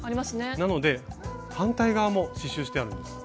なので反対側も刺しゅうしてあるんです。